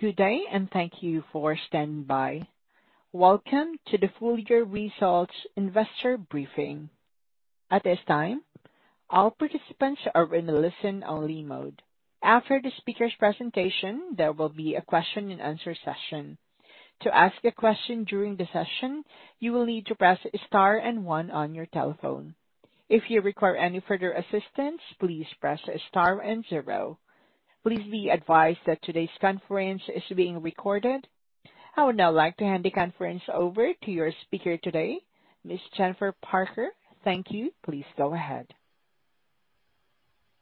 Good day and thank you for standing by. Welcome to the full year results investor briefing. I would now like to hand the conference over to your speaker today, Ms. Jennifer Parker. Thank you. Please go ahead.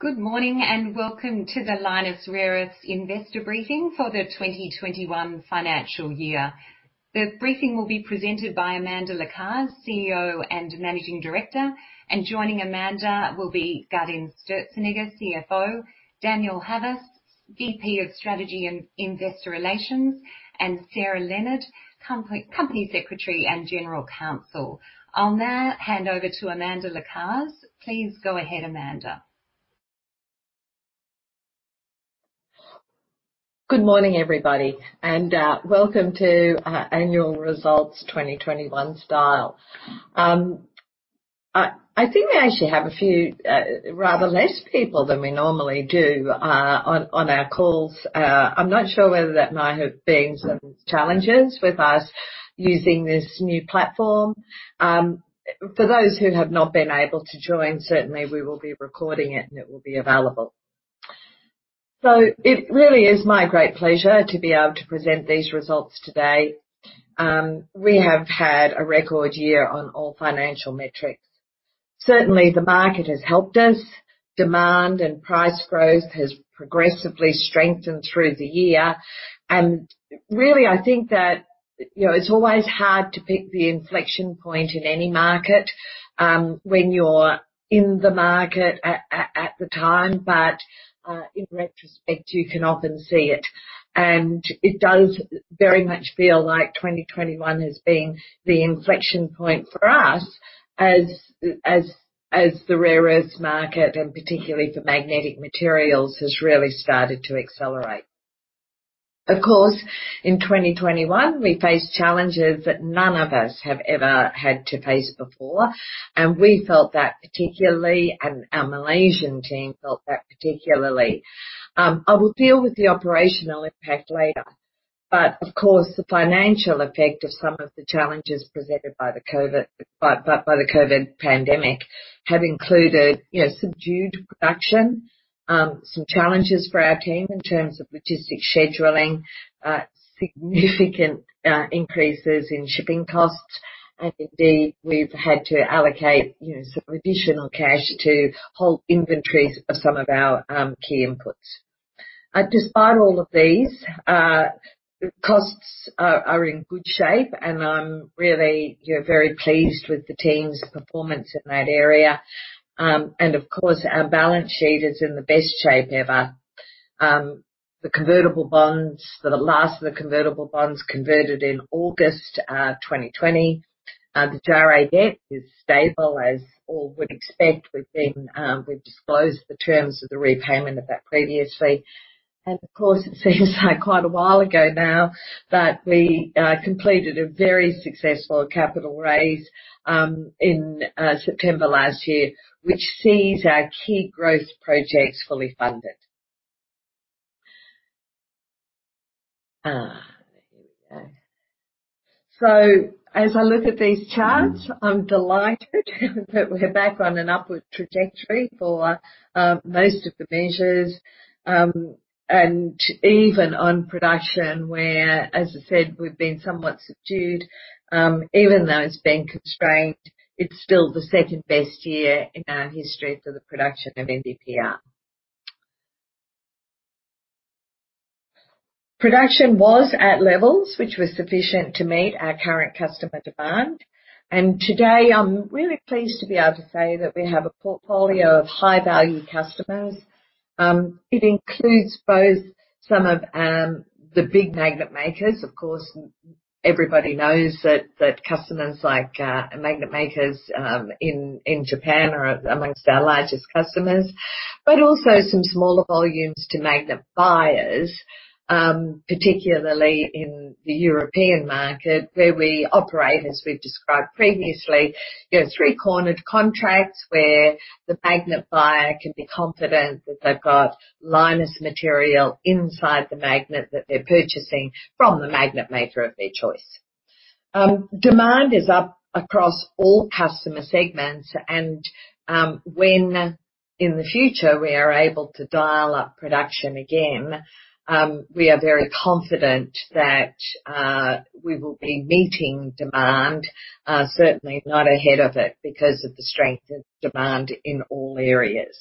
Good morning and welcome to the Lynas Rare Earths investor briefing for the 2021 financial year. The briefing will be presented by Amanda Lacaze, CEO and Managing Director. Joining Amanda will be Gaudenz Sturzenegger, CFO, Daniel Havas, VP of Strategy and Investor Relations, and Sarah Leonard, Company Secretary and General Counsel. I'll now hand over to Amanda Lacaze. Please go ahead, Amanda. Good morning, everybody, and welcome to our annual results 2021 style. I think we actually have a few rather less people than we normally do on our calls. I'm not sure whether that might have been some challenges with us using this new platform. For those who have not been able to join, certainly we will be recording it and it will be available. It really is my great pleasure to be able to present these results today. We have had a record year on all financial metrics. Certainly, the market has helped us. Demand and price growth has progressively strengthened through the year. Really, I think that it's always hard to pick the inflection point in any market, when you're in the market at the time. In retrospect, you can often see it, and it does very much feel like 2021 has been the inflection point for us as the rare earths market, and particularly for magnetic materials, has really started to accelerate. Of course, in 2021, we faced challenges that none of us have ever had to face before, and we felt that particularly, and our Malaysian team felt that particularly. I will deal with the operational impact later. Of course, the financial effect of some of the challenges presented by the COVID pandemic have included subdued production, some challenges for our team in terms of logistic scheduling, significant increases in shipping costs, and indeed, we've had to allocate some additional cash to hold inventories of some of our key inputs. Despite all of these, costs are in good shape, and I'm really very pleased with the team's performance in that area. Of course, our balance sheet is in the best shape ever. The convertible bonds, the last of the convertible bonds converted in August 2020. The JARE debt is stable as all would expect. We’ve disclosed the terms of the repayment of that previously. Of course, it seems like quite a while ago now, but we completed a very successful capital raise in September last year, which sees our key growth projects fully funded. Here we go. As I look at these charts, I’m delighted that we’re back on an upward trajectory for most of the measures. Even on production where, as I said, we’ve been somewhat subdued. Even though it’s been constrained, it’s still the second-best year in our history for the production of NdPr. Production was at levels which were sufficient to meet our current customer demand. Today, I'm really pleased to be able to say that we have a portfolio of high-value customers. It includes both some of the big magnet makers. Of course, everybody knows that customers like magnet makers in Japan are amongst our largest customers. Also some smaller volumes to magnet buyers, particularly in the European market where we operate, as we've described previously, three-cornered contracts where the magnet buyer can be confident that they've got Lynas material inside the magnet that they're purchasing from the magnet maker of their choice. Demand is up across all customer segments and when in the future we are able to dial up production again, we are very confident that we will be meeting demand, certainly not ahead of it because of the strength of demand in all areas.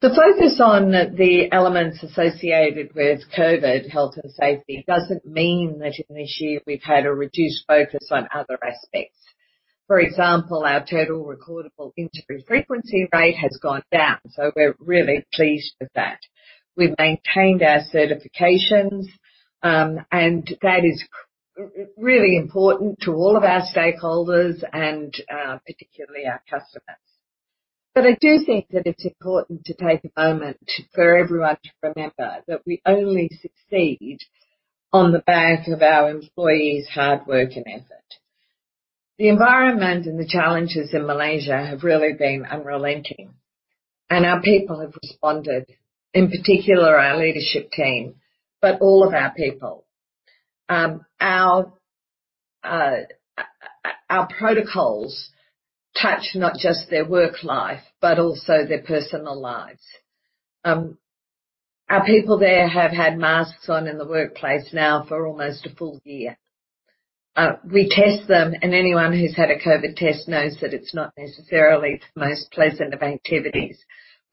The focus on the elements associated with COVID health and safety doesn't mean that in this year we've had a reduced focus on other aspects. For example, our Total Recordable Injury Frequency Rate has gone down, so we're really pleased with that. We've maintained our certifications, and that is really important to all of our stakeholders and particularly our customers. I do think that it's important to take a moment for everyone to remember that we only succeed on the back of our employees' hard work and effort. The environment and the challenges in Malaysia have really been unrelenting, and our people have responded, in particular, our leadership team, but all of our people. Our protocols touch not just their work life, but also their personal lives. Our people there have had masks on in the workplace now for almost a full year. We test them, and anyone who's had a COVID test knows that it's not necessarily the most pleasant of activities.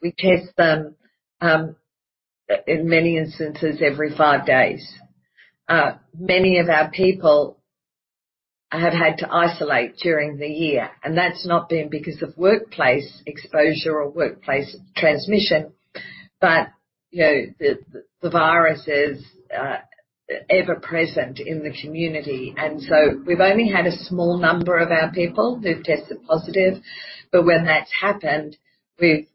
We test them, in many instances, every five days. Many of our people have had to isolate during the year, and that's not been because of workplace exposure or workplace transmission. The virus is ever-present in the community, and so we've only had a small number of our people who've tested positive. When that's happened, we've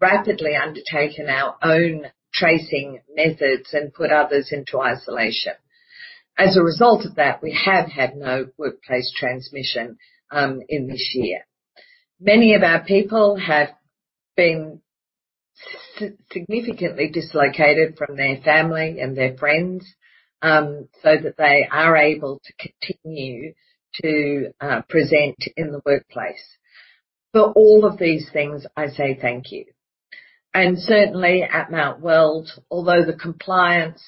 rapidly undertaken our own tracing methods and put others into isolation. As a result of that, we have had no workplace transmission in this year. Many of our people have been significantly dislocated from their family and their friends, so that they are able to continue to present in the workplace. For all of these things, I say thank you. Certainly at Mount Weld, although the compliance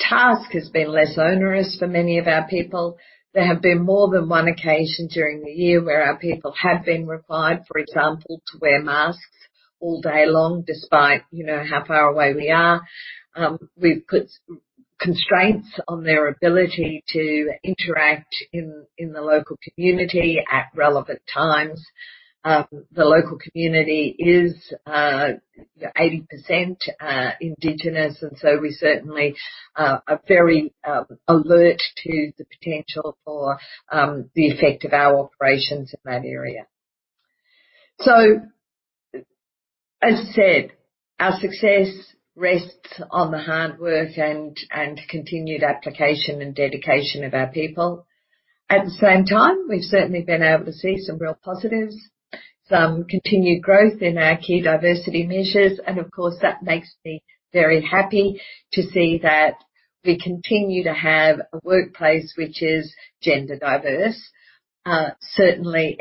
task has been less onerous for many of our people, there have been more than one occasion during the year where our people have been required, for example, to wear masks all day long, despite how far away we are. We've put constraints on their ability to interact in the local community at relevant times. The local community is 80% indigenous. We certainly are very alert to the potential for the effect of our operations in that area. As I said, our success rests on the hard work and continued application and dedication of our people. At the same time, we've certainly been able to see some real positives, some continued growth in our key diversity measures. Of course, that makes me very happy to see that we continue to have a workplace which is gender diverse. Certainly,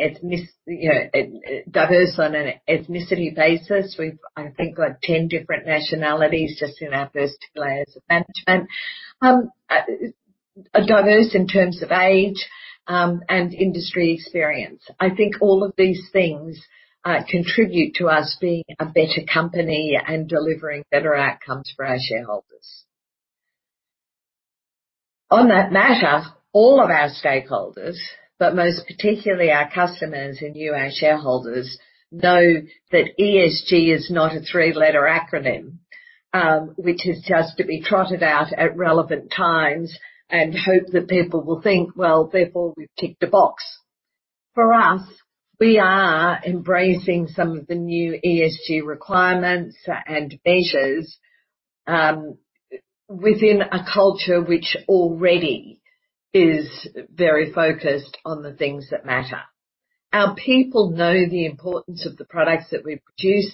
diverse on an ethnicity basis. We've, I think, got 10 different nationalities just in our first two layers of management. Diverse in terms of age, and industry experience. I think all of these things contribute to us being a better company and delivering better outcomes for our shareholders. On that matter, all of our stakeholders, but most particularly our customers and you, our shareholders, know that ESG is not a three-letter acronym, which is just to be trotted out at relevant times and hope that people will think, well, therefore we've ticked a box. For us, we are embracing some of the new ESG requirements and measures within a culture which already is very focused on the things that matter. Our people know the importance of the products that we produce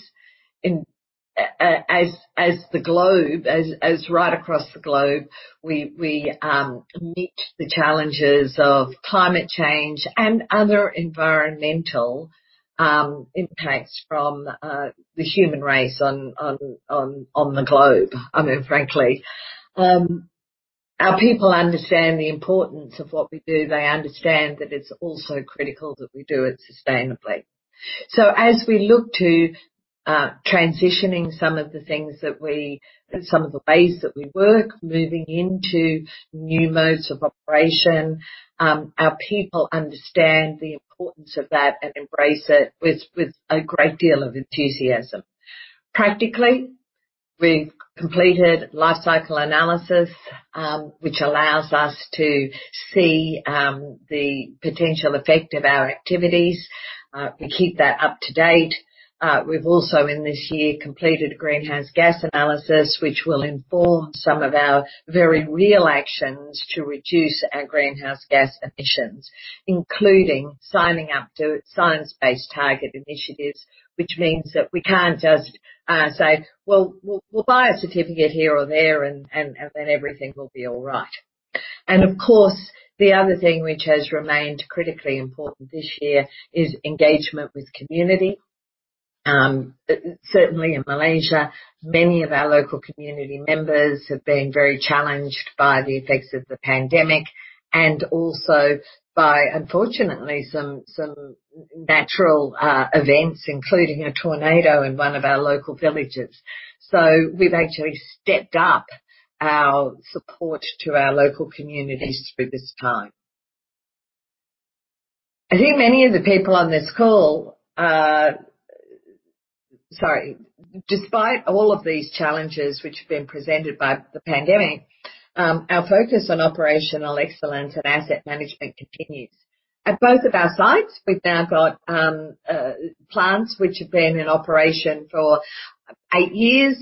right across the globe, we meet the challenges of climate change and other environmental impacts from the human race on the globe, frankly. Our people understand the importance of what we do. They understand that it's also critical that we do it sustainably. As we look to transitioning some of the ways that we work, moving into new modes of operation, our people understand the importance of that and embrace it with a great deal of enthusiasm. Practically, we've completed life cycle analysis, which allows us to see the potential effect of our activities. We keep that up to date. We've also, in this year, completed a greenhouse gas analysis, which will inform some of our very real actions to reduce our greenhouse gas emissions, including signing up to Science Based Targets initiative, which means that we can't just say, "Well, we'll buy a certificate here or there, and then everything will be all right." Of course, the other thing which has remained critically important this year is engagement with community. Certainly in Malaysia, many of our local community members have been very challenged by the effects of the pandemic and also by, unfortunately, some natural events, including a tornado in one of our local villages. We've actually stepped up our support to our local communities through this time. I think many of the people on this call. Sorry. Despite all of these challenges which have been presented by the pandemic, our focus on operational excellence and asset management continues. At both of our sites, we've now got plants which have been in operation for eight years.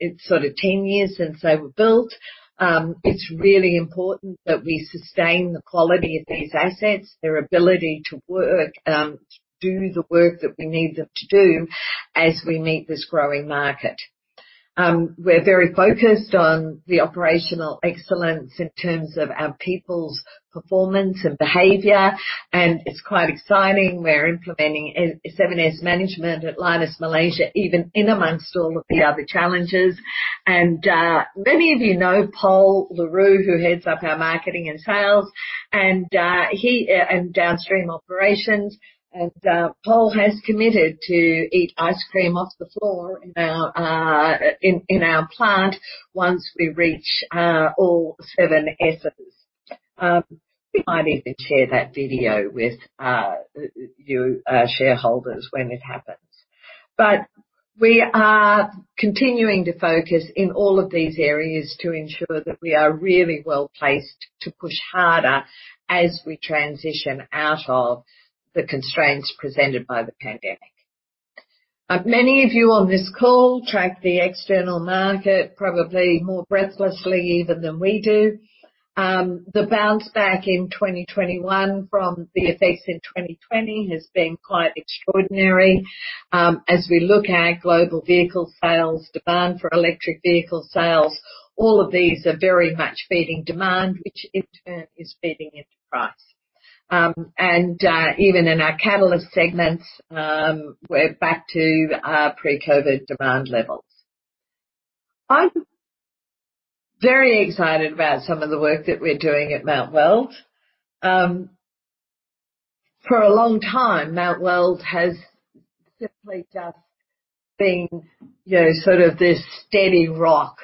It's sort of 10 years since they were built. It's really important that we sustain the quality of these assets, their ability to work, to do the work that we need them to do as we meet this growing market. We're very focused on the operational excellence in terms of our people's performance and behavior, and it's quite exciting. We're implementing a 7S management at Lynas Malaysia, even in amongst all of the other challenges. Many of you know Pol Le Roux, who heads up our marketing and sales, and downstream operations. Pol has committed to eat ice cream off the floor in our plant once we reach all 7S's. We might even share that video with you shareholders when it happens. We are continuing to focus in all of these areas to ensure that we are really well-placed to push harder as we transition out of the constraints presented by the pandemic. Many of you on this call track the external market, probably more breathlessly even than we do. The bounce back in 2021 from the effects in 2020 has been quite extraordinary. As we look at global vehicle sales, demand for electric vehicle sales, all of these are very much feeding demand, which in turn is feeding into price. Even in our catalyst segments, we're back to our pre-COVID demand levels. I'm very excited about some of the work that we're doing at Mount Weld. For a long time, Mount Weld has simply just been sort of this steady rock,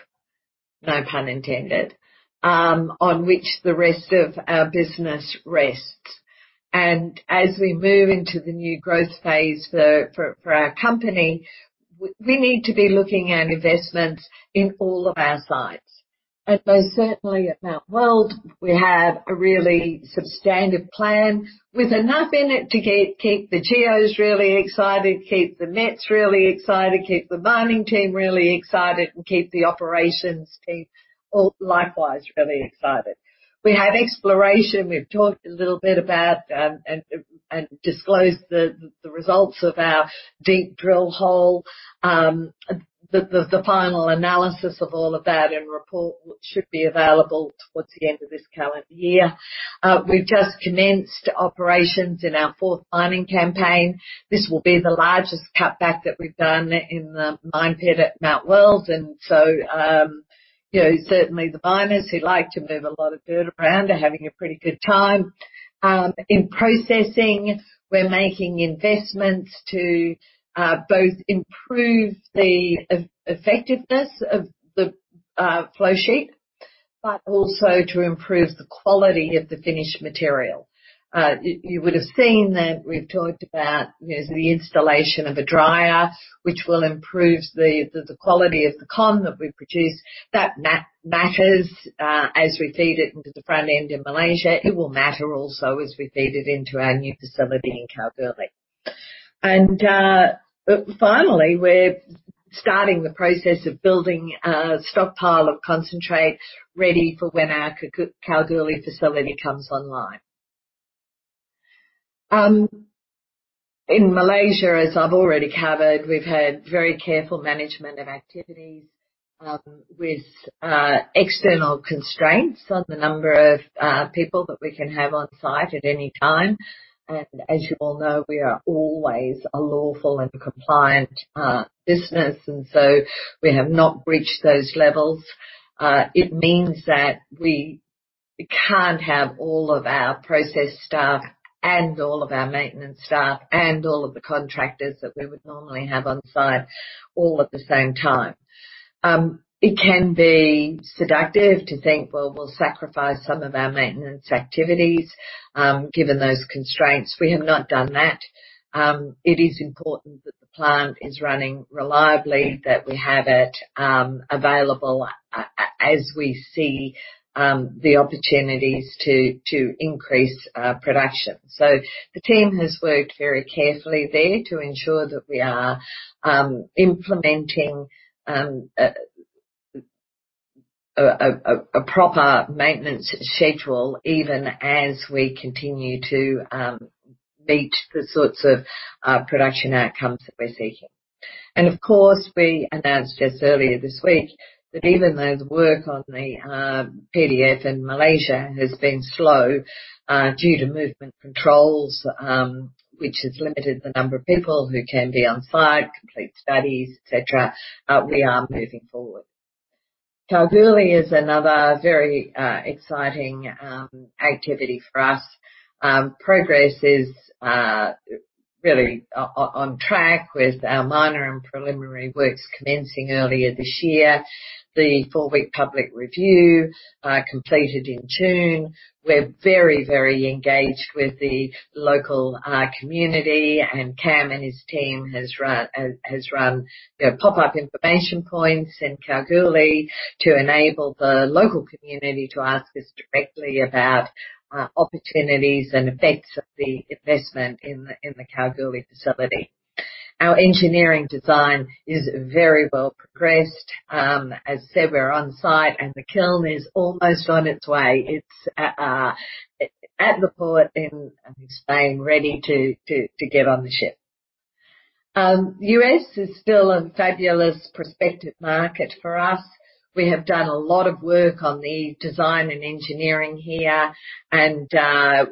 no pun intended, on which the rest of our business rests. As we move into the new growth phase for our company, we need to be looking at investments in all of our sites. Most certainly at Mount Weld, we have a really substantive plan with enough in it to keep the geos really excited, keep the mets really excited, keep the mining team really excited, and keep the operations team all likewise really excited. We have exploration. We've talked a little bit about and disclosed the results of our deep drill hole. The final analysis of all of that and report should be available towards the end of this current year. We've just commenced operations in our fourth mining campaign. This will be the largest cut back that we've done in the mine pit at Mount Weld. Certainly the miners who like to move a lot of dirt around are having a pretty good time. In processing, we're making investments to both improve the effectiveness of the flow sheet, but also to improve the quality of the finished material. You would have seen that we've talked about the installation of a dryer, which will improve the quality of the con that we produce. That matters as we feed it into the front end in Malaysia. It will matter also as we feed it into our new facility in Kalgoorlie. Finally, we're starting the process of building a stockpile of concentrate ready for when our Kalgoorlie facility comes online. In Malaysia, as I've already covered, we've had very careful management of activities with external constraints on the number of people that we can have on site at any time. As you all know, we are always a lawful and compliant business, and so we have not breached those levels. It means that we can't have all of our process staff and all of our maintenance staff and all of the contractors that we would normally have on site all at the same time. It can be seductive to think, well, we'll sacrifice some of our maintenance activities given those constraints. We have not done that. It is important that the plant is running reliably, that we have it available as we see the opportunities to increase production. The team has worked very carefully there to ensure that we are implementing a proper maintenance schedule even as we continue to meet the sorts of production outcomes that we're seeking. Of course, we announced just earlier this week that even though the work on the PDF in Malaysia has been slow due to movement controls, which has limited the number of people who can be on site, complete studies, et cetera, we are moving forward. Kalgoorlie is another very exciting activity for us. Progress is really on track with our minor and preliminary works commencing earlier this year. The four-week public review completed in June. We're very engaged with the local community, and Kam and his team has run pop-up information points in Kalgoorlie to enable the local community to ask us directly about opportunities and effects of the investment in the Kalgoorlie facility. Our engineering design is very well progressed. As said, we're on site and the kiln is almost on its way. It's at the port in Spain, ready to get on the ship. U.S. is still a fabulous prospective market for us. We have done a lot of work on the design and engineering here,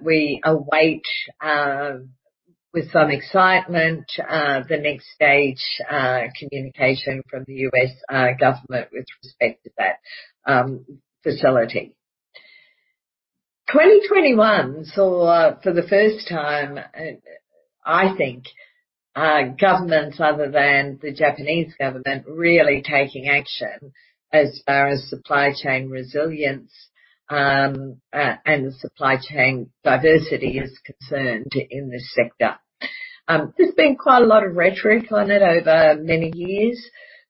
we await, with some excitement, the next stage communication from the U.S. government with respect to that facility. 2021 saw for the first time, I think, governments other than the Japanese government really taking action as far as supply chain resilience and supply chain diversity is concerned in this sector. There's been quite a lot of rhetoric on it over many years,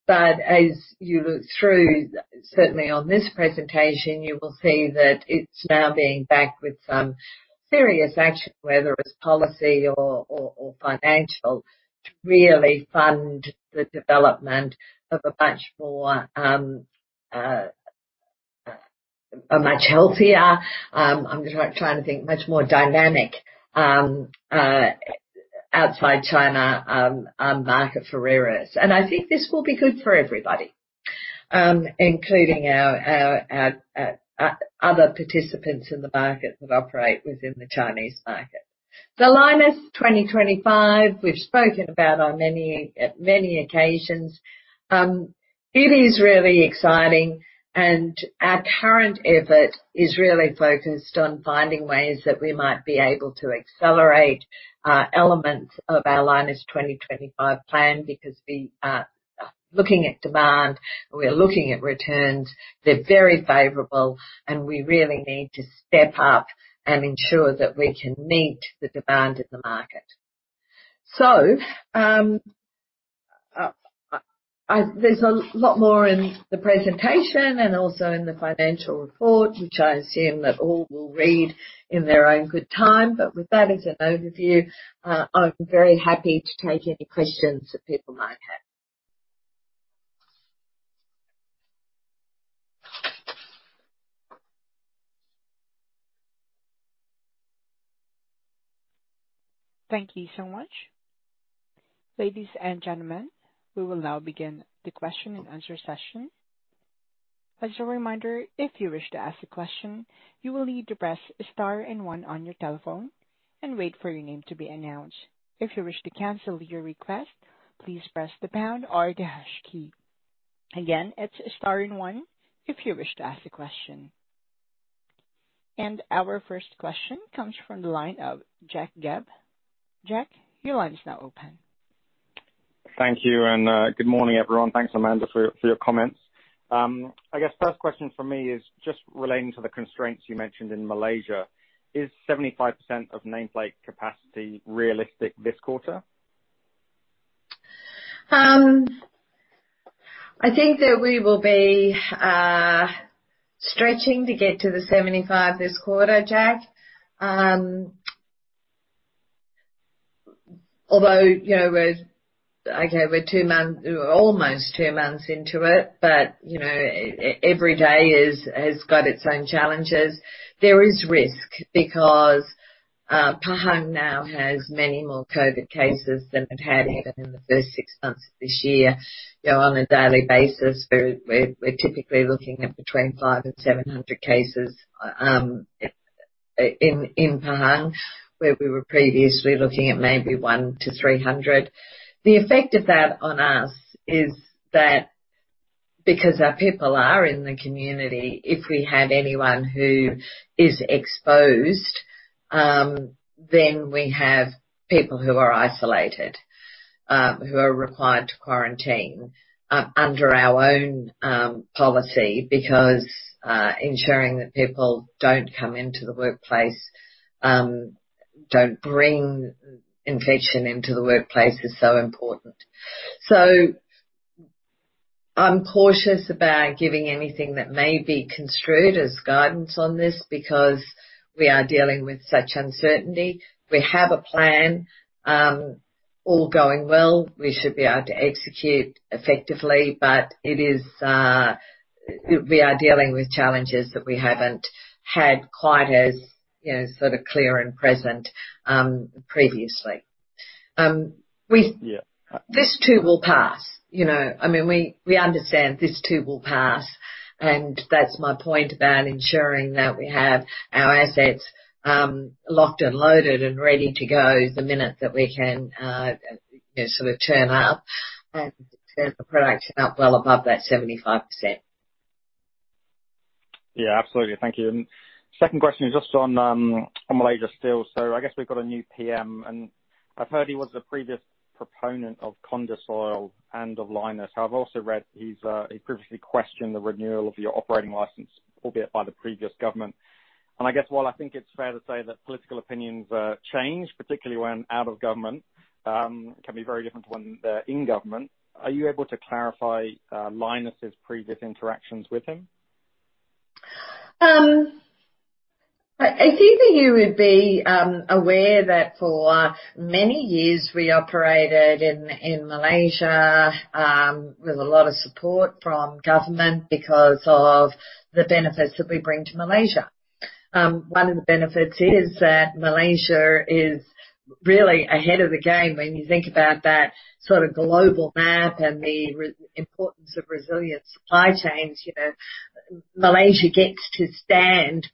but as you look through certainly on this presentation, you will see that it's now being backed with some serious action, whether it's policy or financial. To really fund the development of a much healthier, I'm trying to think, much more dynamic outside China market for rare earths. I think this will be good for everybody including other participants in the market that operate within the Chinese market. The Lynas 2025 we've spoken about on many occasions. It is really exciting and our current effort is really focused on finding ways that we might be able to accelerate elements of our Lynas 2025 plan because we are looking at demand, we are looking at returns. They're very favorable and we really need to step up and ensure that we can meet the demand in the market. There's a lot more in the presentation and also in the financial report, which I assume that all will read in their own good time. With that as an overview, I'm very happy to take any questions that people might have. Thank you so much. Ladies and gentlemen, we will now begin the question and answer session. As a reminder, if you wish to ask a question, you will need to press star and one on your telephone and wait for your name to be announced. If you wish to cancel your request, please press the pound or the hash key. Again, it's star and one if you wish to ask a question. Our first question comes from the line of Jack Gabb. Jack, your line is now open. Thank you. Good morning, everyone. Thanks, Amanda, for your comments. I guess first question from me is just relating to the constraints you mentioned in Malaysia. Is 75% of nameplate capacity realistic this quarter? I think that we will be stretching to get to the 75% this quarter, Jack. Okay, we're almost two months into it, but every day has got its own challenges. There is risk because Pahang now has many more COVID cases than it had even in the first six months of this year. On a daily basis, we're typically looking at between five and 700 cases in Pahang, where we were previously looking at maybe one to 300. The effect of that on us is that because our people are in the community, if we have anyone who is exposed, then we have people who are isolated, who are required to quarantine under our own policy because ensuring that people don't come into the workplace, don't bring infection into the workplace is so important. I'm cautious about giving anything that may be construed as guidance on this because we are dealing with such uncertainty. We have a plan. All going well, we should be able to execute effectively, but we are dealing with challenges that we haven't had quite as clear and present previously. This too will pass. We understand this too will pass, and that's my point about ensuring that we have our assets locked and loaded and ready to go the minute that we can sort of turn up and turn the production up well above that 75%. Yeah, absolutely. Thank you. Second question is just on Malaysia. I guess we've got a new PM, and I've heard he was the previous proponent of CondiSoil and of Lynas. I've also read he's previously questioned the renewal of your operating license, albeit by the previous government. I guess while I think it's fair to say that political opinions change, particularly when out of government, can be very different when they're in government. Are you able to clarify Lynas' previous interactions with him? I think that you would be aware that for many years we operated in Malaysia, with a lot of support from government because of the benefits that we bring to Malaysia. One of the benefits is that Malaysia is really ahead of the game when you think about that sort of global map and the importance of resilient supply chains. Malaysia gets to stand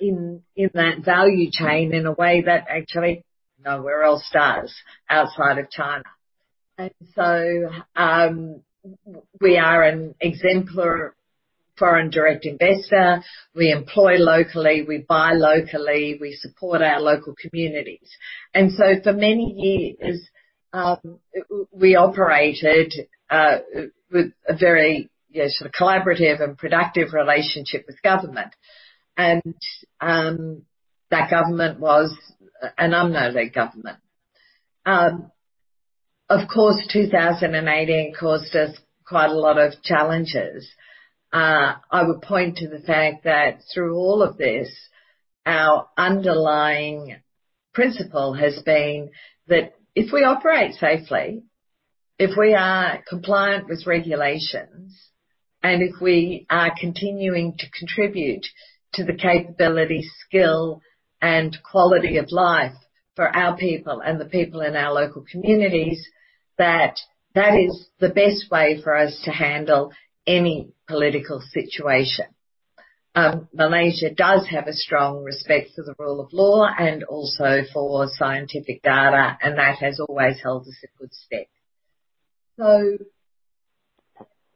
in that value chain in a way that actually nowhere else does outside of China. We are an exemplar foreign direct investor. We employ locally, we buy locally, we support our local communities. For many years, we operated with a very sort of collaborative and productive relationship with government. That government was an UMNO government. Of course, 2018 caused us quite a lot of challenges. I would point to the fact that through all of this, our underlying principle has been that if we operate safely, if we are compliant with regulations, and if we are continuing to contribute to the capability, skill, and quality of life for our people and the people in our local communities, that that is the best way for us to handle any political situation. Malaysia does have a strong respect for the rule of law and also for scientific data, and that has always held us in good stead.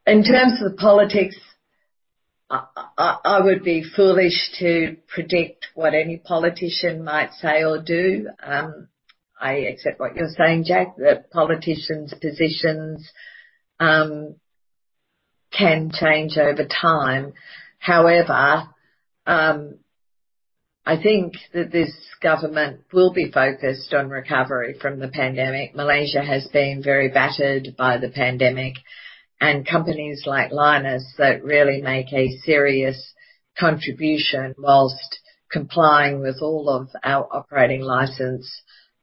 In terms of politics, I would be foolish to predict what any politician might say or do. I accept what you're saying, Jack, that politicians' positions can change over time. However, I think that this government will be focused on recovery from the pandemic. Malaysia has been very battered by the pandemic, and companies like Lynas that really make a serious contribution whilst complying with all of our operating license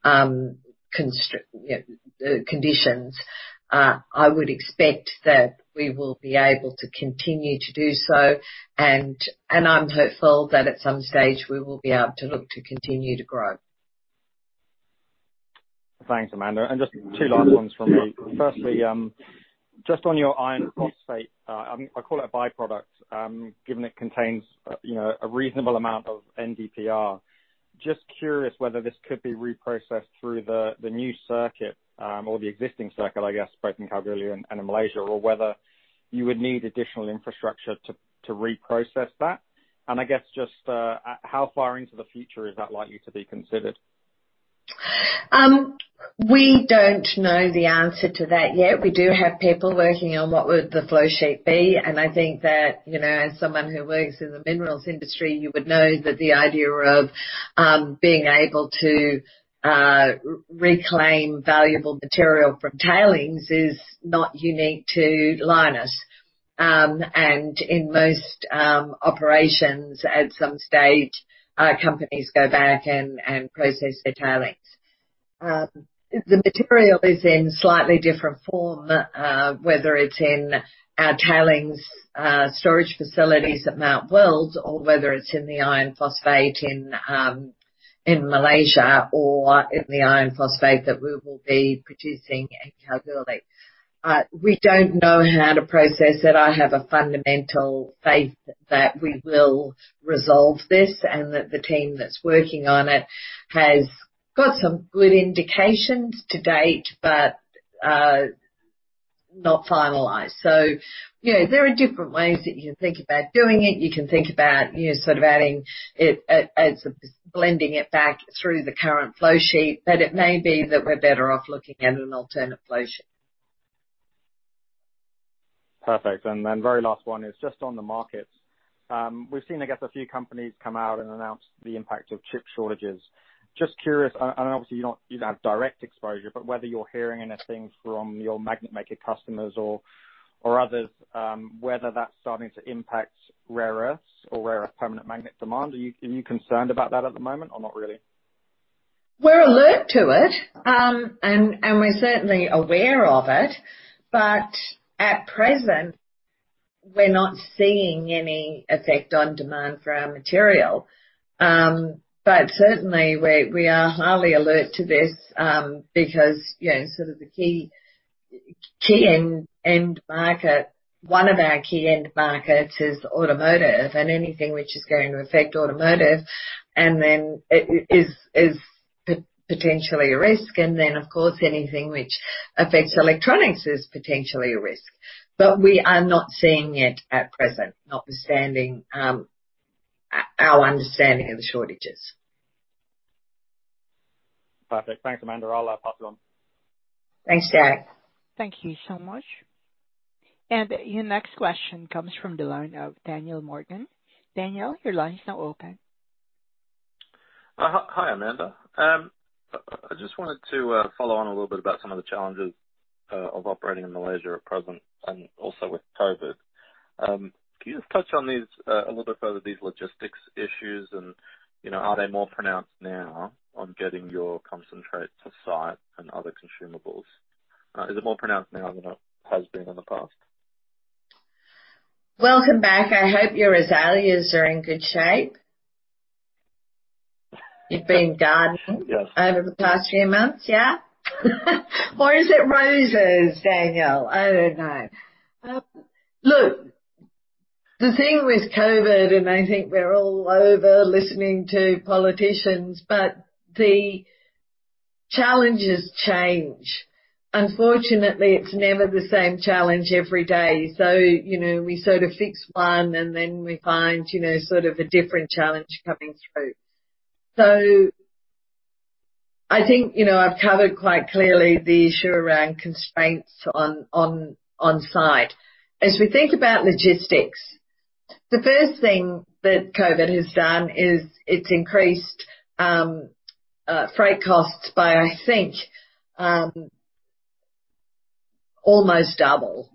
conditions. I would expect that we will be able to continue to do so, and I'm hopeful that at some stage we will be able to look to continue to grow. Thanks, Amanda. Just two last ones from me. Firstly, just on your iron phosphate. I call it a byproduct, given it contains a reasonable amount of NdPr. Just curious whether this could be reprocessed through the new circuit, or the existing circuit, I guess, both in Kalgoorlie and in Malaysia, or whether you would need additional infrastructure to reprocess that. I guess just, how far into the future is that likely to be considered? We don't know the answer to that yet. We do have people working on what would the flow sheet be, and I think that, as someone who works in the minerals industry, you would know that the idea of being able to reclaim valuable material from tailings is not unique to Lynas. In most operations, at some stage, companies go back and process their tailings. The material is in slightly different form, whether it's in our tailings storage facilities at Mount Weld or whether it's in the iron phosphate in Malaysia or in the iron phosphate that we will be producing in Kalgoorlie. We don't know how to process it. I have a fundamental faith that we will resolve this and that the team that's working on it has got some good indications to date, but not finalized. There are different ways that you can think about doing it. You can think about sort of adding it as blending it back through the current flow sheet, but it may be that we're better off looking at an alternate flow sheet. Perfect. Very last one is just on the markets. We've seen, I guess, a few companies come out and announce the impact of chip shortages. Just curious, and obviously you don't have direct exposure, but whether you're hearing anything from your magnet maker customers or others, whether that's starting to impact rare earths or rare earth permanent magnet demand. Are you concerned about that at the moment or not really? We're alert to it, and we're certainly aware of it. At present, we're not seeing any effect on demand for our material. Certainly, we are highly alert to this, because sort of the key end market, one of our key end markets is automotive. Anything which is going to affect automotive and then is potentially a risk. Then, of course, anything which affects electronics is potentially a risk. We are not seeing it at present, notwithstanding our understanding of the shortages. Perfect. Thanks, Amanda. I'll pass it on. Thanks, Jack. Thank you so much. Your next question comes from the line of Daniel Morgan. Daniel, your line is now open. Hi, Amanda. I just wanted to follow on a little bit about some of the challenges of operating in Malaysia at present and also with COVID. Can you just touch on these a little bit further, these logistics issues, and are they more pronounced now on getting your concentrate to site and other consumables? Is it more pronounced now than it has been in the past? Welcome back. I hope your azaleas are in good shape. You've been gardening. Over the past few months, yeah? Or is it roses, Daniel? I don't know. The thing with COVID, and I think we're all over listening to politicians, but the challenges change. Unfortunately, it's never the same challenge every day. We sort of fix one and then we find sort of a different challenge coming through. I think I've covered quite clearly the issue around constraints on-site. As we think about logistics, the first thing that COVID has done is it's increased freight costs by, I think, almost double.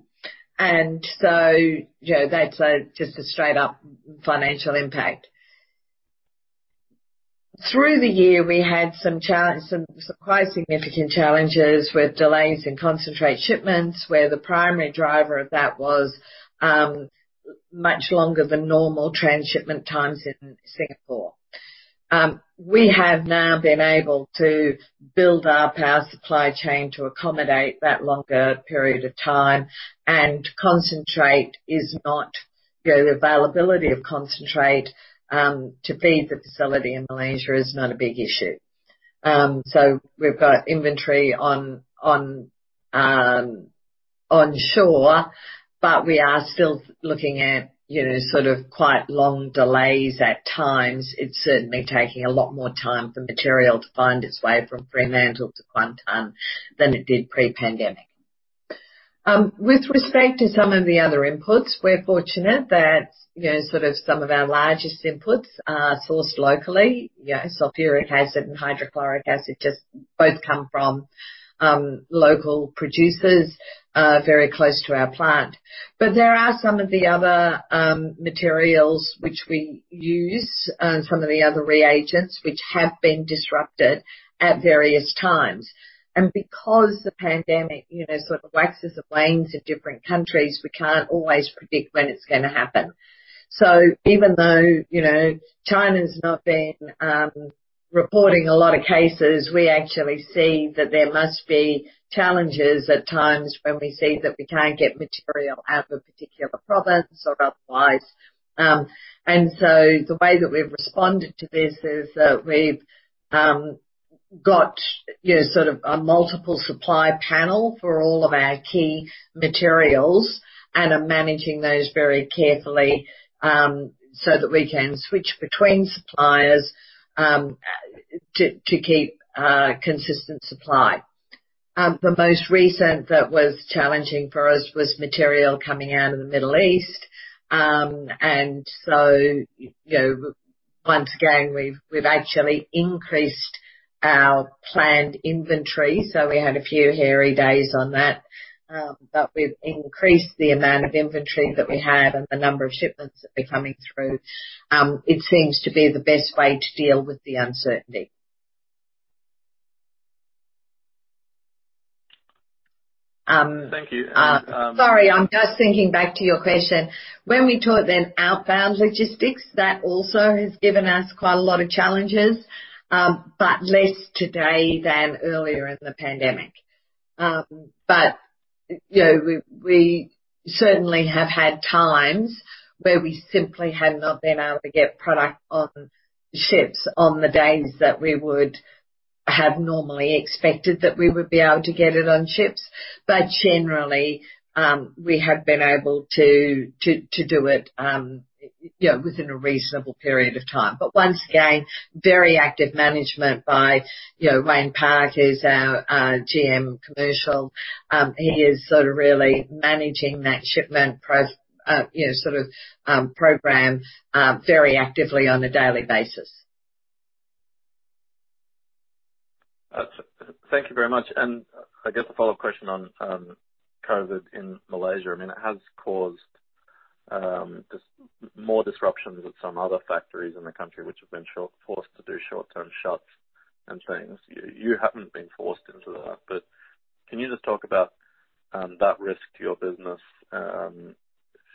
That's just a straight-up financial impact. Through the year, we had some quite significant challenges with delays in concentrate shipments, where the primary driver of that was much longer than normal trans-shipment times in Singapore. We have now been able to build up our supply chain to accommodate that longer period of time. The availability of concentrate to feed the facility in Malaysia is not a big issue. We've got inventory onshore. We are still looking at sort of quite long delays at times. It's certainly taking a lot more time for material to find its way from Fremantle to Kuantan than it did pre-pandemic. With respect to some of the other inputs, we're fortunate that sort of some of our largest inputs are sourced locally. Sulfuric acid and hydrochloric acid just both come from local producers very close to our plant. There are some of the other materials which we use and some of the other reagents which have been disrupted at various times. Because the pandemic sort of waxes and wanes in different countries, we can't always predict when it's going to happen. Even though China's not been reporting a lot of cases, we actually see that there must be challenges at times when we see that we can't get material out of a particular province or otherwise. The way that we've responded to this is that we've got sort of a multiple supply panel for all of our key materials and are managing those very carefully so that we can switch between suppliers to keep a consistent supply. The most recent that was challenging for us was material coming out of the Middle East. Once again, we've actually increased our planned inventory. We had a few hairy days on that. We've increased the amount of inventory that we have and the number of shipments that have been coming through. It seems to be the best way to deal with the uncertainty. Thank you. Sorry, I'm just thinking back to your question. When we talk then outbound logistics, that also has given us quite a lot of challenges. Less today than earlier in the pandemic. We certainly have had times where we simply have not been able to get product on ships on the days that we would have normally expected that we would be able to get it on ships. Generally, we have been able to do it within a reasonable period of time. Once again, very active management by Wayne Park, who's our GM Commercial. He is sort of really managing that shipment sort of program very actively on a daily basis. Thank you very much. I guess a follow-up question on COVID in Malaysia. It has caused more disruptions at some other factories in the country which have been forced to do short-term shuts and things. You haven't been forced into that. Can you just talk about that risk to your business?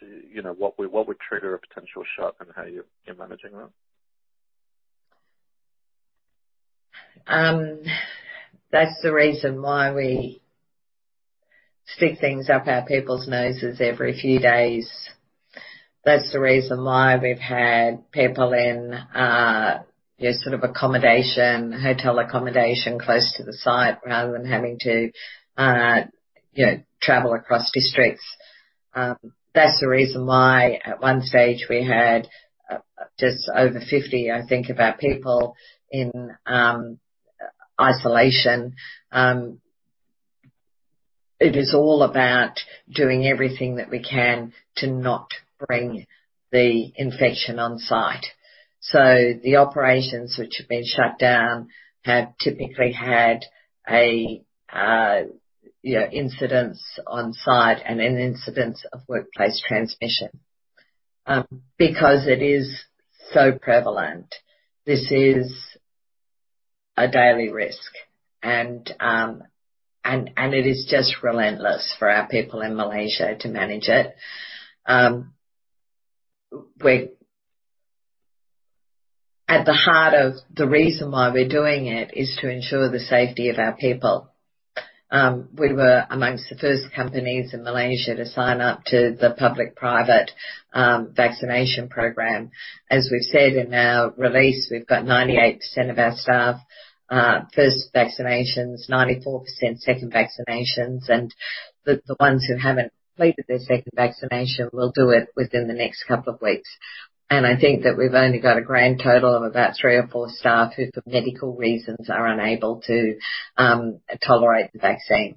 What would trigger a potential shut and how you're managing that? That's the reason we stick things up our people's noses every few days. That's the reason why we've had people in accommodation, hotel accommodation close to the site rather than having to travel across districts. That's the reason why at one stage we had just over 50, I think, of our people in isolation. It is all about doing everything that we can to not bring the infection on-site. The operations which have been shut down have typically had incidents on-site and an incidence of workplace transmission. Because it is so prevalent, this is a daily risk, and it is just relentless for our people in Malaysia to manage it. At the heart of the reason why we're doing it is to ensure the safety of our people. We were amongst the first companies in Malaysia to sign up to the public-private vaccination program. As we've said in our release, we've got 98% of our staff first vaccinations, 94% second vaccinations, and the ones who haven't completed their second vaccination will do it within the next couple of weeks. I think that we've only got a grand total of about three or four staff who, for medical reasons, are unable to tolerate the vaccine.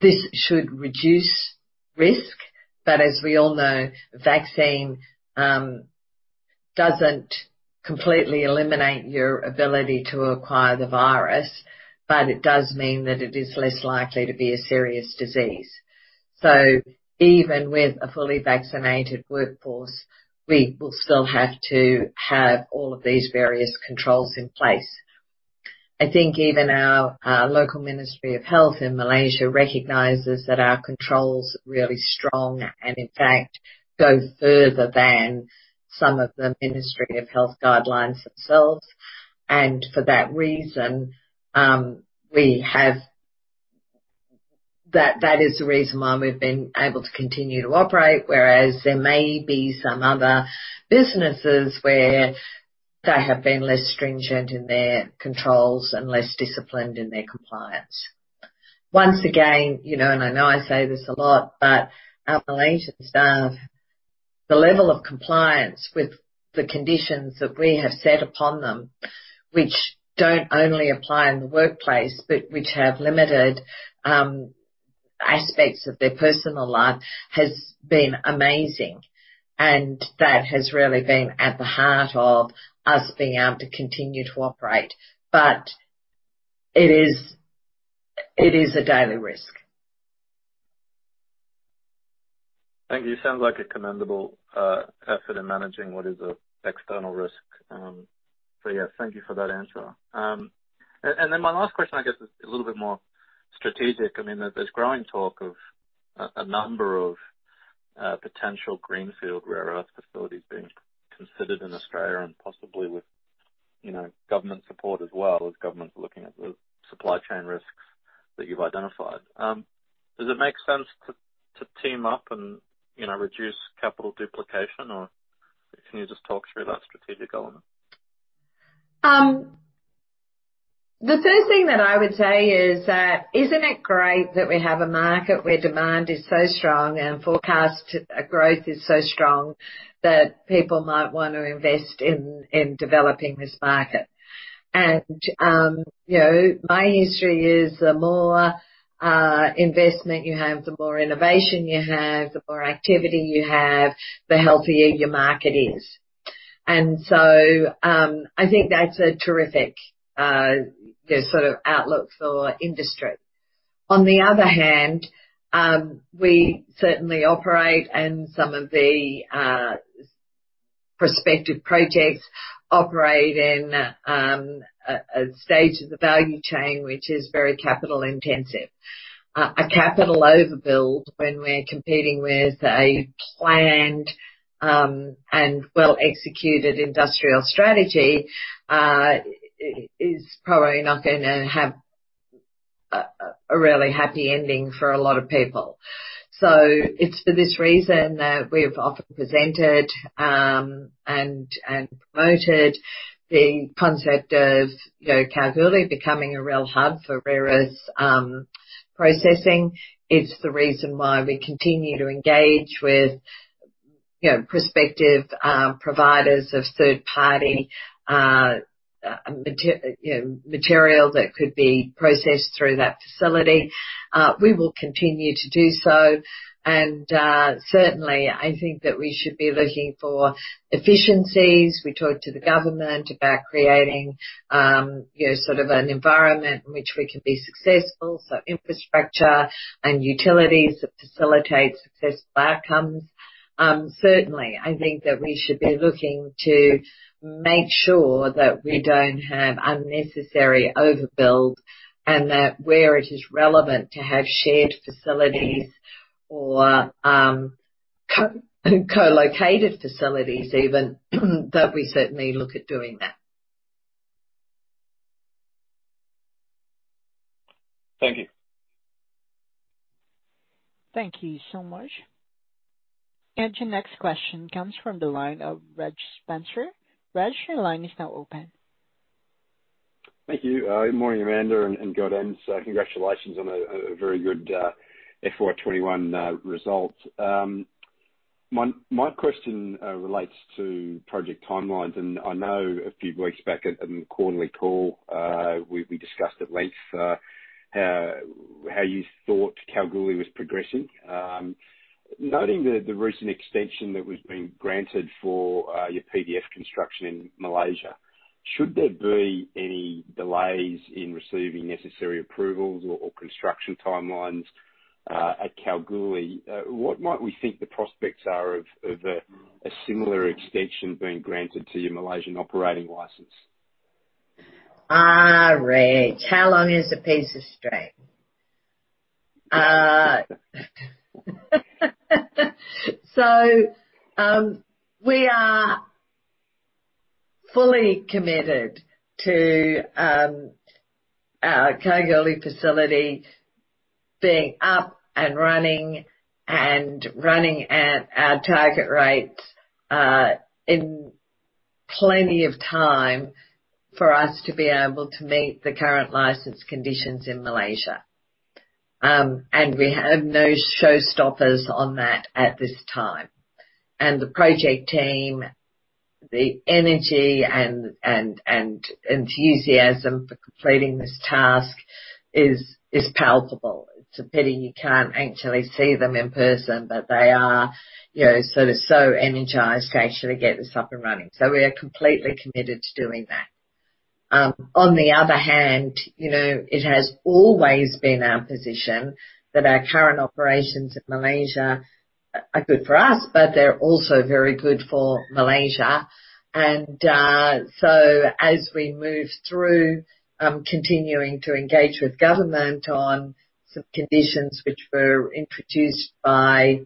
This should reduce risk, but as we all know, vaccine doesn't completely eliminate your ability to acquire the virus, but it does mean that it is less likely to be a serious disease. Even with a fully vaccinated workforce, we will still have to have all of these various controls in place. I think even our local ministry of health in Malaysia recognizes that our control's really strong and, in fact, goes further than some of the ministry of health guidelines themselves. For that reason, that is the reason why we’ve been able to continue to operate, whereas there may be some other businesses where they have been less stringent in their controls and less disciplined in their compliance. Once again, I know I say this a lot, our Malaysian staff, the level of compliance with the conditions that we have set upon them, which don’t only apply in the workplace, but which have limited aspects of their personal life, has been amazing, and that has really been at the heart of us being able to continue to operate. It is a daily risk. Thank you. Sounds like a commendable effort in managing what is an external risk. Yeah, thank you for that answer. Then my last question, I guess, is a little bit more strategic. There's growing talk of a number of potential greenfield rare earth facilities being considered in Australia, and possibly with government support as well, as governments are looking at the supply chain risks that you've identified. Does it make sense to team up and reduce capital duplication, or can you just talk through that strategic element? The first thing that I would say is that, isn't it great that we have a market where demand is so strong and forecast growth is so strong that people might want to invest in developing this market? My history is the more investment you have, the more innovation you have, the more activity you have, the healthier your market is. I think that's a terrific outlook for industry. On the other hand, we certainly operate and some of the prospective projects operate in a stage of the value chain, which is very capital-intensive. A capital overbuild when we're competing with a planned, and well-executed industrial strategy, is probably not going to have a really happy ending for a lot of people. It's for this reason that we've often presented and promoted the concept of Kalgoorlie becoming a real hub for rare earths processing. It's the reason why we continue to engage with prospective providers of third-party material that could be processed through that facility. We will continue to do so. Certainly, I think that we should be looking for efficiencies. We talked to the government about creating an environment in which we can be successful, so infrastructure and utilities that facilitate successful outcomes. Certainly, I think that we should be looking to make sure that we don't have unnecessary overbuild and that where it is relevant to have shared facilities or co-located facilities even, that we certainly look at doing that. Thank you. Thank you so much. Your next question comes from the line of Reg Spencer. Reg, your line is now open. Thank you. Good morning, Amanda, and good AM. Congratulations on a very good FY 2021 result. My question relates to project timelines, and I know a few weeks back in the quarterly call, we discussed at length how you thought Kalgoorlie was progressing. Noting the recent extension that has been granted for your PDF construction in Malaysia, should there be any delays in receiving necessary approvals or construction timelines at Kalgoorlie, what might we think the prospects are of a similar extension being granted to your Malaysian operating license? Reg, how long is a piece of string? We are fully committed to our Kalgoorlie facility being up and running at our target rates in plenty of time for us to be able to meet the current license conditions in Malaysia. We have no showstoppers on that at this time. The project team, the energy and enthusiasm for completing this task is palpable. It's a pity you can't actually see them in person, but they are so energized to actually get this up and running. We are completely committed to doing that. On the other hand, it has always been our position that our current operations in Malaysia are good for us, but they're also very good for Malaysia. As we move through, continuing to engage with government on some conditions which were introduced by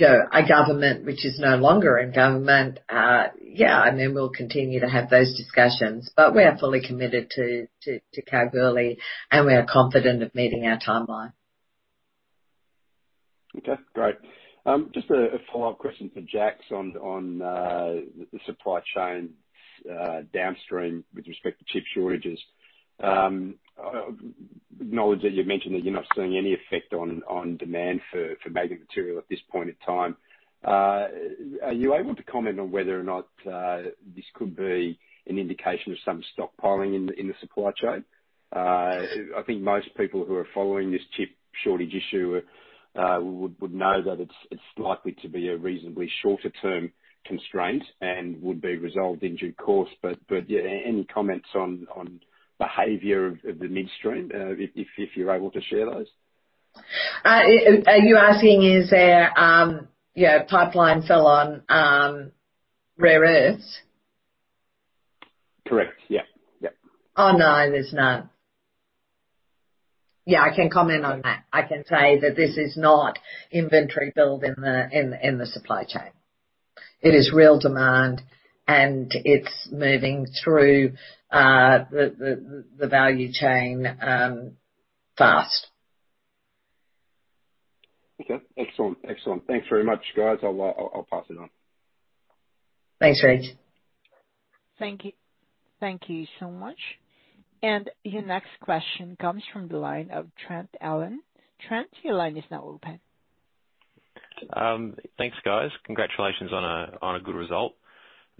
a government which is no longer in government. Yeah, then we'll continue to have those discussions. We are fully committed to Kalgoorlie, and we are confident of meeting our timeline. Okay, great. Just a follow-up question for Jack on the supply chain downstream with respect to chip shortages. Acknowledge that you mentioned that you're not seeing any effect on demand for magnet material at this point in time. Are you able to comment on whether or not this could be an indication of some stockpiling in the supply chain? I think most people who are following this chip shortage issue would know that it's likely to be a reasonably shorter term constraint and would be resolved in due course. Yeah, any comments on behavior of the midstream, if you're able to share those? Are you asking is there a pipeline fill on rare earths? Correct. Yep. Oh, no, there's none. Yeah, I can comment on that. I can say that this is not inventory build in the supply chain. It is real demand, and it's moving through the value chain fast. Okay. Excellent. Thanks very much, guys. I'll pass it on. Thanks, Reg. Thank you so much. Your next question comes from the line of Trent Allen. Trent, your line is now open. Thanks, guys. Congratulations on a good result.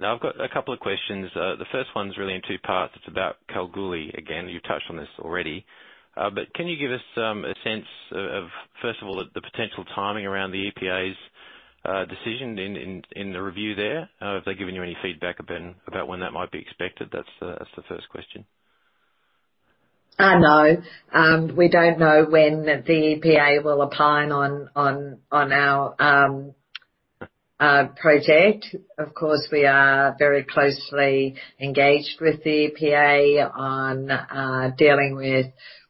I've got a couple of questions. The first one's really in two parts. It's about Kalgoorlie. Again, you touched on this already. Can you give us a sense of, first of all, the potential timing around the EPA's decision in the review there? Have they given you any feedback about when that might be expected? That's the first question. No. We don't know when the EPA will opine on our project. Of course, we are very closely engaged with the EPA.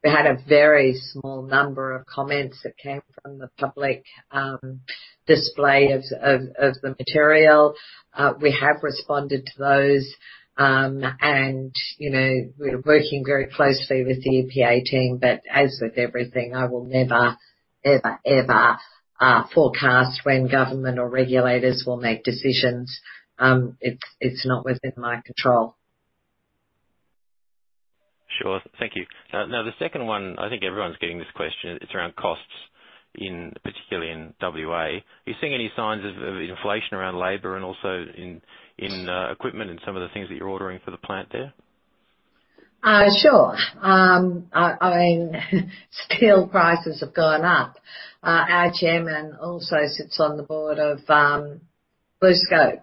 We had a very small number of comments that came from the public display of the material. We have responded to those, and we're working very closely with the EPA team. As with everything, I will never, ever forecast when government or regulators will make decisions. It's not within my control. Sure. Thank you. The second one, I think everyone's getting this question, it's around costs, particularly in W.A. Are you seeing any signs of inflation around labor and also in equipment and some of the things that you are ordering for the plant there? Sure. Steel prices have gone up. Our chairman also sits on the board of BlueScope.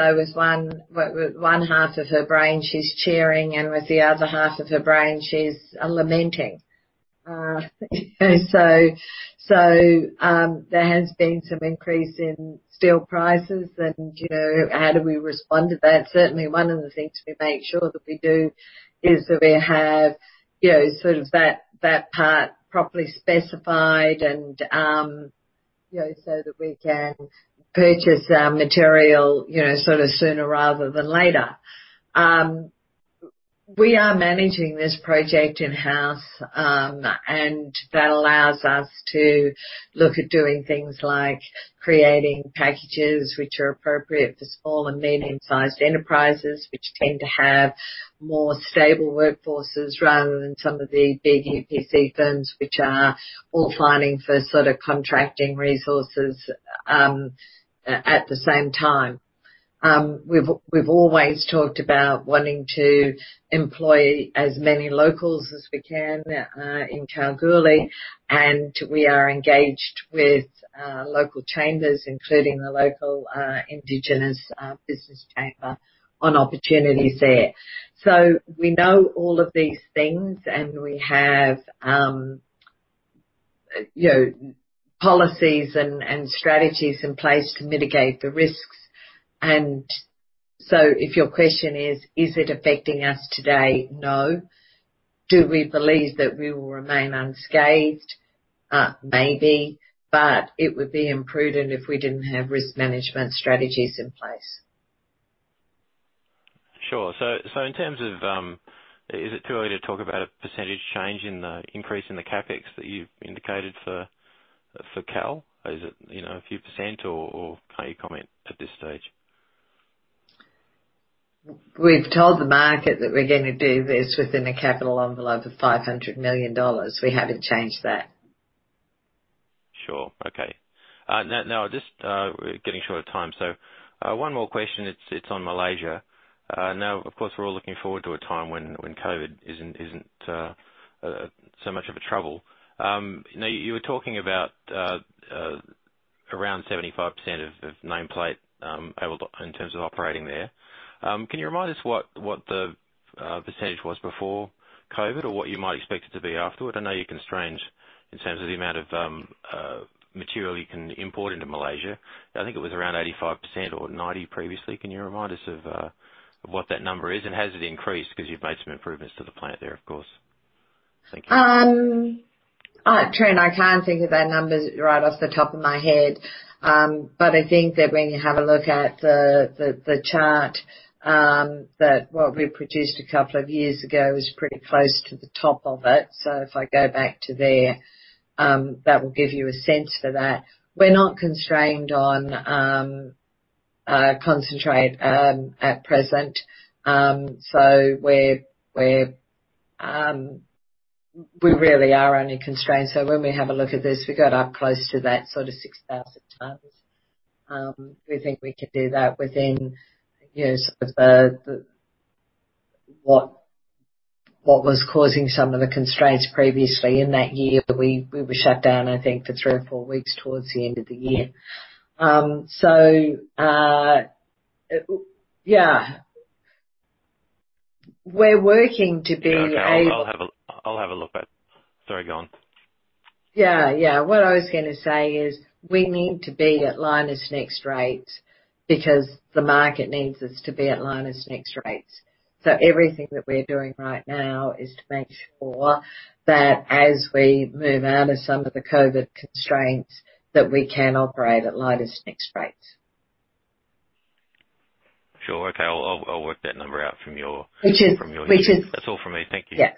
With one half of her brain, she's cheering, and with the other half of her brain, she's lamenting. There has been some increase in steel prices. How do we respond to that? Certainly, one of the things we make sure that we do is that we have that part properly specified So that we can purchase our material sooner rather than later. We are managing this project in-house, and that allows us to look at doing things like creating packages which are appropriate for small and medium-sized enterprises, which tend to have more stable workforces rather than some of the big EPC firms, which are all filing for contracting resources at the same time. We've always talked about wanting to employ as many locals as we can in Kalgoorlie, and we are engaged with local chambers, including the local indigenous business chamber on opportunities there. We know all of these things, and we have policies and strategies in place to mitigate the risks. If your question is it affecting us today? No. Do we believe that we will remain unscathed? Maybe. It would be imprudent if we didn't have risk management strategies in place. Sure. In terms of, is it too early to talk about a % change in the increase in the CapEx that you've indicated for Kalgoorlie? Is it a few % or can't you comment at this stage? We've told the market that we're going to do this within a capital envelope of 500 million dollars. We haven't changed that. Sure. Okay. Just getting short of time. One more question. It's on Malaysia. Of course, we're all looking forward to a time when COVID isn't so much of a trouble. You were talking about around 75% of nameplate in terms of operating there. Can you remind us what the percentage was before COVID or what you might expect it to be afterward? I know you're constrained in terms of the amount of material you can import into Malaysia. I think it was around 85% or 90% previously. Can you remind us of what that number is? Has it increased because you've made some improvements to the plant there, of course. Thank you. Trent, I can't think of that number right off the top of my head. I think that when you have a look at the chart that what we produced a couple of years ago is pretty close to the top of it. If I go back to there, that will give you a sense for that. We're not constrained on concentrate at present. We really are only constrained. When we have a look at this, we got up close to that sort of 6,000 tons. We think we could do that within sort of what was causing some of the constraints previously in that year. We were shut down, I think, for three or four weeks towards the end of the year. Okay. Sorry, go on. Yeah. What I was gonna say is, we need to be at Lynas NEXT rates because the market needs us to be at Lynas NEXT rates. Everything that we're doing right now is to make sure that as we move out of some of the COVID constraints, that we can operate at Lynas NEXT rates. Sure. Okay. I'll work that number out. That's all from me. Thank you. Yeah.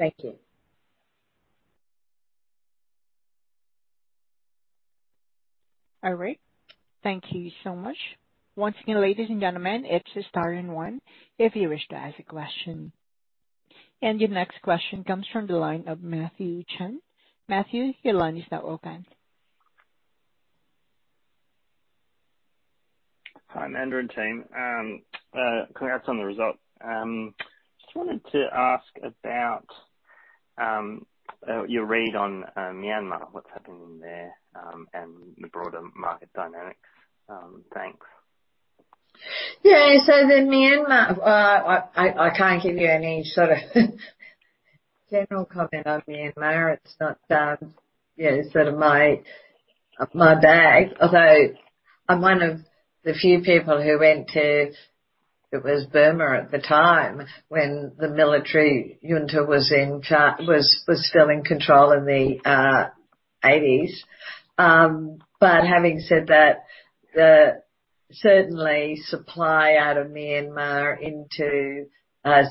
Thank you. All right. Thank you so much. Once again, ladies and gentlemen, it's a star one if you wish to ask a question. Your next question comes from the line of Matthew Chen. Matthew, your line is now open. Hi, Amanda and team. Congrats on the result. Just wanted to ask about your read on Myanmar, what's happening there, and the broader market dynamics. Thanks. Yeah. The Myanmar, I can't give you any sort of general comment on Myanmar. It's not my bag. Although I'm one of the few people who went to, it was Burma at the time, when the military junta was still in control in the '80s. Having said that, certainly supply out of Myanmar into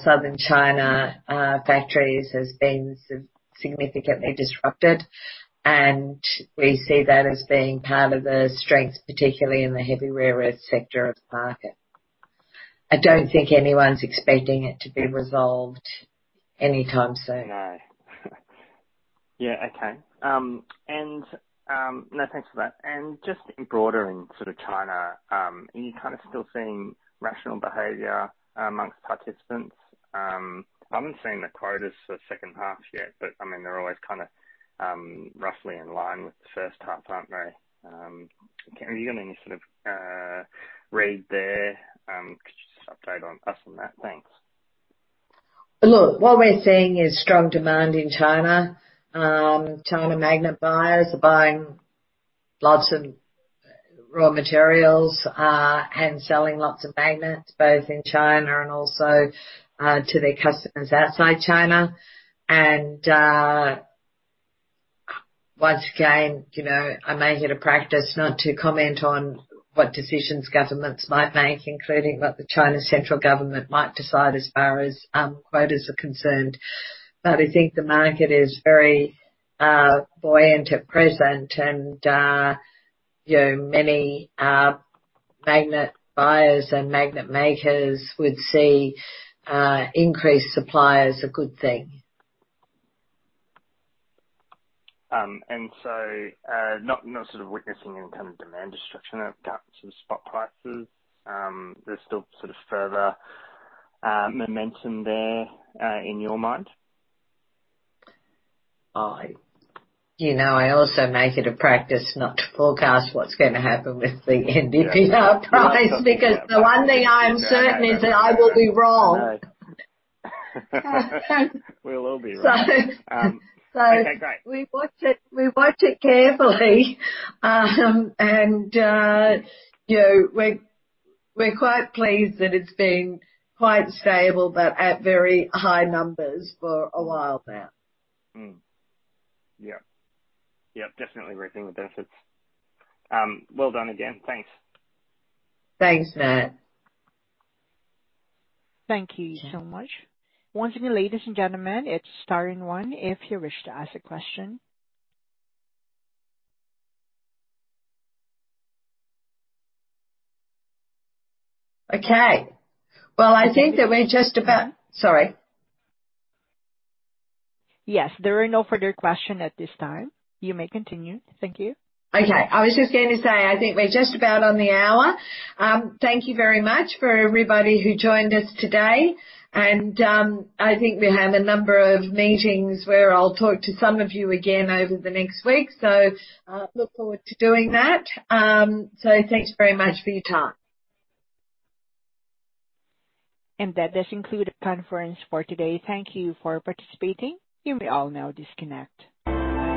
Southern China factories has been significantly disrupted, and we see that as being part of the strengths, particularly in the heavy rare earth sector of the market. I don't think anyone's expecting it to be resolved anytime soon. No. Yeah. Okay. No, thanks for that. Just broader in sort of China, are you kind of still seeing rational behavior amongst participants? I haven't seen the quotas for the second half yet, but they're always kind of roughly in line with the first half, aren't they? Have you got any sort of read there? Could you just update us on that? Thanks. Look, what we're seeing is strong demand in China. China magnet buyers are buying lots and lots raw materials, and selling lots of magnets both in China and also to their customers outside China. Once again, I make it a practice not to comment on what decisions governments might make, including what the China central government might decide as far as quotas are concerned. I think the market is very buoyant at present, and many magnet buyers and magnet makers would see increased supply as a good thing. Not sort of witnessing any kind of demand destruction apart from spot prices. There's still sort of further momentum there, in your mind? I also make it a practice not to forecast what's going to happen with the NdPr price because the one thing I am certain is that I will be wrong. We'll all be wrong. Okay, great. We watch it carefully and we're quite pleased that it's been quite stable but at very high numbers for a while now. Yeah. Definitely reaping the benefits. Well done again. Thanks. Thanks, Matt. Thank you so much. Once again, ladies and gentlemen, it's star one if you wish to ask a question. Okay. Well. Sorry. Yes, there are no further questions at this time. You may continue. Thank you. Okay. I was just going to say, I think we're just about on the hour. Thank you very much for everybody who joined us today. I think we have a number of meetings where I'll talk to some of you again over the next week, so look forward to doing that. Thanks very much for your time. That does conclude the conference for today. Thank you for participating. You may all now disconnect.